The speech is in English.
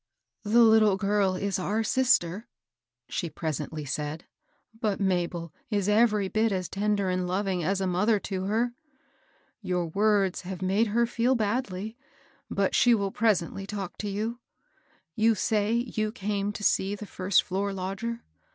" The little girl is our sister," she presently said ;" but Mabel is every bit as tender and loving as a mother to her. Your words have made her feel badly, but she will presently talk to you. You say you came to see the first floor lodger